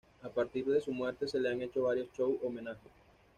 A partir de su muerte se le han hecho varios shows homenaje.